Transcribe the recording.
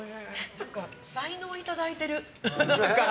何か才能をいただいてる。